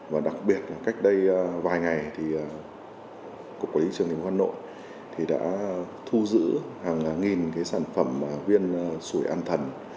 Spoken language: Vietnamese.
và đặc biệt cách đây vài ngày cục quản lý trường hình hoa nội đã thu giữ hàng nghìn sản phẩm quyền sủi ăn thần